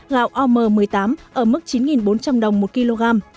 gạo om một mươi tám ở mức chín bốn trăm linh đồng một kg